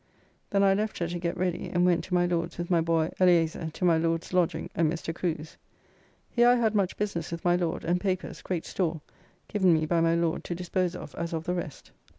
Then I left her to get her ready and went to my Lord's with my boy Eliezer to my Lord's lodging at Mr. Crew's. Here I had much business with my Lord, and papers, great store, given me by my Lord to dispose of as of the rest.